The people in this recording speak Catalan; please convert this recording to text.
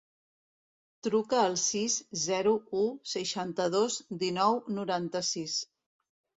Truca al sis, zero, u, seixanta-dos, dinou, noranta-sis.